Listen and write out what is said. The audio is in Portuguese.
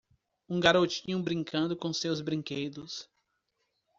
um garotinho brincando com seus brinquedos.